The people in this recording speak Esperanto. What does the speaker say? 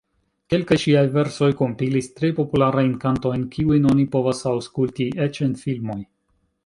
Kelkaj ŝiaj versoj kompilis tre popularajn kantojn, kiujn oni povas aŭskulti eĉ en filmoj.